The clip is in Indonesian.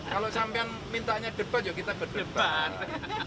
kalau sampai yang mintanya debat ya kita berdebat